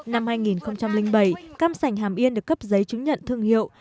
năm hai nghìn bảy cam sành hàm yên được cấp giấy chứng nhận thương hiệu